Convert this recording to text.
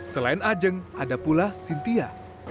selain ajeng ada pula sintia